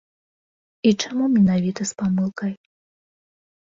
І чаму менавіта з памылкай?